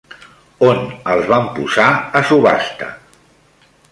On els van posar a subhasta?